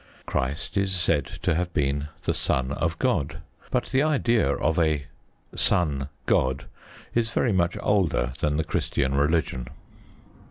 Christ is said to have been the Son of God. But the idea of a son god is very much older than the Christian religion.